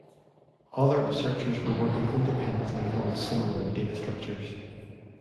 Other researchers were working independently on similar data structures.